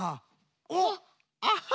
おっアハ！